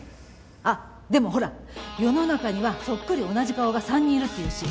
あっでもほら世の中にはそっくり同じ顔が３人いるって言うし。